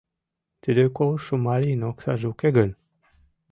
— Тиде колышо марийын оксаже уке гын?»